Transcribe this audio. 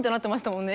もんね